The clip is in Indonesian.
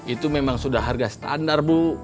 itu memang sudah harga standar bu